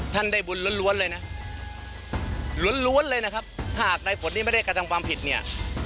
ท่านได้บุญล้วนเลยนะล้วนเลยนะครับหากในผลนี้ไม่ได้กระทำความผิดเนี่ย